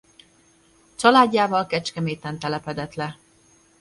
Családjával Kecskeméten telepedett le.